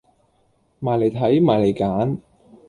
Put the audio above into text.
埋嚟睇，埋嚟揀